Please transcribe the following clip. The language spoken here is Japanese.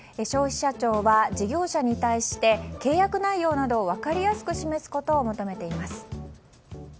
消費者庁は、事業者に対して契約内容などを分かりやすく示すことを求めています。